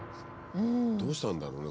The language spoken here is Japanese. どうしたんだろうね